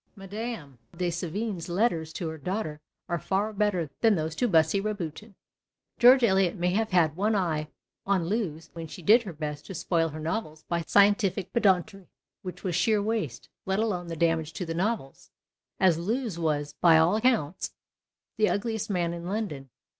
Mme. de Sevigne's letters to her daughter are far better than those to Bussy Rabutin. George Eliot may have had one eye on Lewes when she did her best to spoil her novels by scientific pedantry — which was sheer waste (let alone the damage to the novels), as Lewes was, by all accounts, the ugliest man in London.